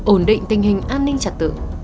ổn định tình hình an ninh trật tự